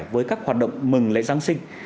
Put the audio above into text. với các hoạt động mừng lễ giáng sinh